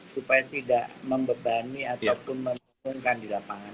supaya tidak membebani ataupun mengumumkan di lapangan